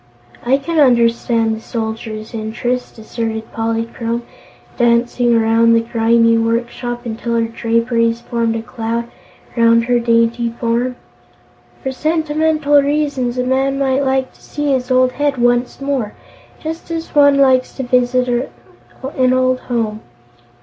"I can understand the Soldier's interest," asserted Polychrome, dancing around the grimy workshop until her draperies formed a cloud around her dainty form. "For sentimental reasons a man might like to see his old head once more, just as one likes to revisit an old home."